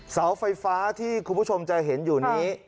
เสาไฟฟ้าที่คุณผู้ชมจะเห็นอยู่นี้